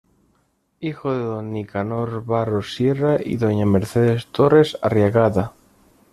Hijo de don Nicanor Barros Sierra y doña Mercedes Torres Arriagada.